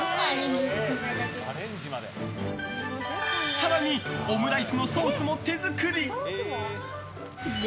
更にオムライスのソースも手作り。